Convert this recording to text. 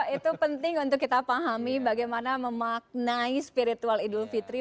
itu penting untuk kita pahami bagaimana memaknai spiritual idul fitri